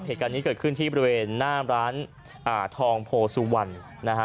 เหตุการณ์นี้เกิดขึ้นที่บริเวณหน้าร้านอ่าทองโพสุวรรณนะฮะ